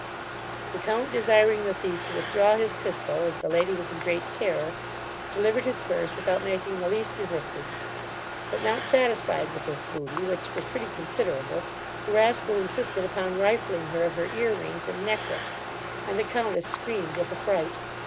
The count desiring the thief to withdraw his pistol, as the lady was in great terror, delivered his purse without making the least resistance; but not satisfied with this booty, which was pretty considerable, the rascal insisted upon rifling her of her car rings and necklace, and the countess screamed with affright.